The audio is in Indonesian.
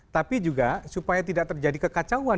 tapi juga supaya tidak terjadi kekacauan